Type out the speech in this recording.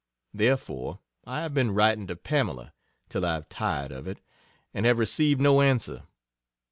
Therefore, I have been writing to Pamela, till I've tired of it, and have received no answer.